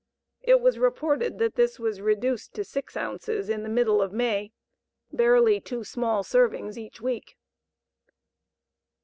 It was reported that this was reduced to 6 ounces in the middle of May barely two small servings each week.